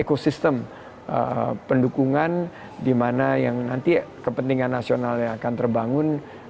ekosistem pendukungan di mana yang nanti kepentingan nasionalnya akan terbangun